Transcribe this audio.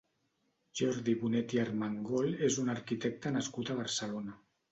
Jordi Bonet i Armengol és un arquitecte nascut a Barcelona.